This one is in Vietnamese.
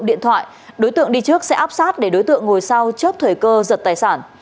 đối tượng đi trước sẽ áp sát để đối tượng ngồi sau chớp thời cơ giật tài sản